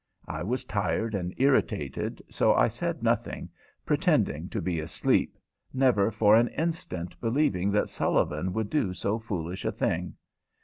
I was tired and irritated, so I said nothing, pretending to be asleep, never for an instant believing that Sullivan would do so foolish a thing.